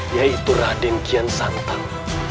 yaitu raden kian santan